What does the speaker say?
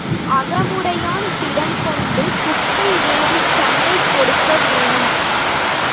அகமுடையான் திடம்கொண்டு குப்பை ஏறிச் சண்டை கொடுக்க வேணும்.